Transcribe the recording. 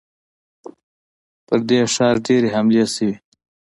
پر دې ښار ډېرې حملې شوي.